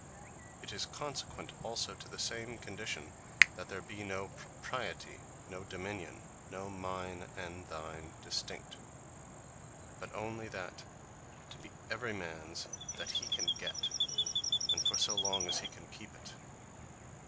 It is consequent also to the same condition, that there be no Propriety, no Dominion, no Mine and Thine distinct; but onely that to be every mans that he can get; and for so long, as he can keep it.